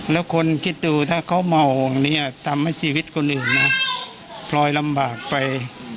แล้วคนคิดดูถ้าเขาเมาอย่างนี้ทำให้ชีวิตคนอื่นนะพลอยลำบากไป